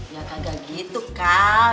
ya kagak gitu kak